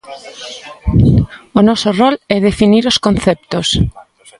O noso rol é definir os conceptos.